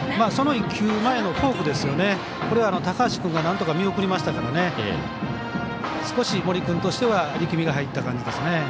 その１球前のフォークは高橋君がなんとか見送りましたから少し森君としては力みが入った感じですね。